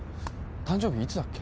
誕生日いつだっけ？